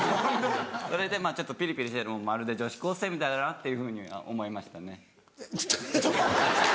それでちょっとピリピリしてるのまるで女子高生みたいだなっていうふうに思いましたね。